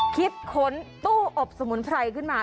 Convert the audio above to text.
คิดค้นตู้อบสมุนไพรขึ้นมา